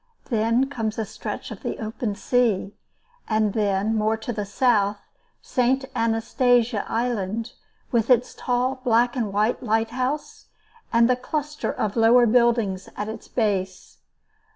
Then comes a stretch of the open sea, and then, more to the south, St. Anastasia Island, with its tall black and white lighthouse and the cluster of lower buildings at its base.